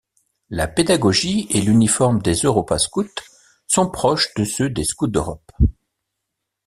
La pédagogie et l’uniforme des Europa scouts sont proches de ceux des Scouts d’Europe.